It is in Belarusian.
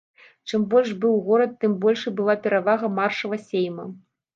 Чым большы быў горад, тым большай была перавага маршала сейма.